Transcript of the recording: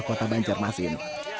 di kota banjarmasin